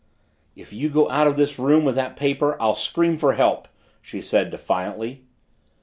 "If you go out of this room with that paper I'll scream for help!" she said defiantly.